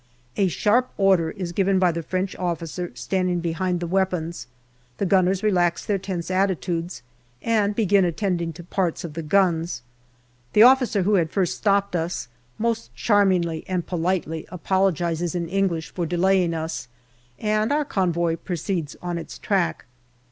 A sharp order is given by the French officer standing behind the weapons; the gunners relax their tense atti tudes and begin attending to parts of the guns. The officer who had first stopped us most charmingly and politely apologizes in English for delaying us, and our convoy proceeds on its track.